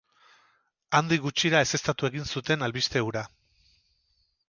Handik gutxira ezeztatu egin zuten albiste hura.